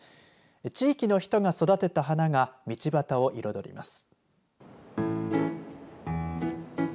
地域の人が育てた花が道端を彩ります。